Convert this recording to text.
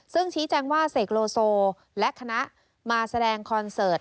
ซึ่งชี้แจงว่าเสกโลโซและคณะมาแสดงคอนเสิร์ต